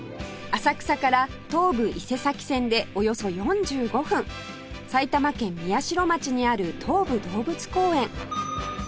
浅草から東武伊勢崎線でおよそ４５分埼玉県宮代町にある東武動物公園